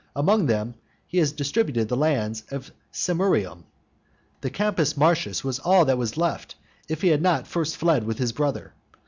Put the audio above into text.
Among them he has distributed the lands of Semurium. The Campus Martius was all that was left, if he had not first fled with his brother.